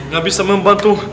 gak bisa membantu